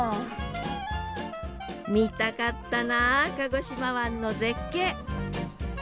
見たかったな鹿児島湾の絶景。